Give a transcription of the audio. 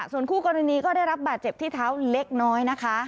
ส่วนคู่กรณีก็ได้รับบาดเจ็บที่เท้าเล็กน้อยนะคะ